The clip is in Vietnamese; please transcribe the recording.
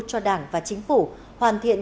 cho đảng và chính phủ hoàn thiện